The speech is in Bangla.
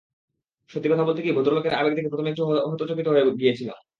সত্যি কথা বলতে কি, ভদ্রলোকের আবেগ দেখে প্রথমে একটু হকচকিত হয়ে গিয়েছিলাম।